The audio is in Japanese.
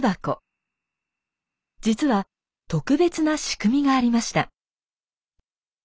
実は特別な仕組みがありました。